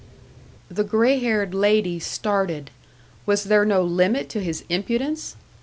The grey haired lady started was there no limit to his impudence?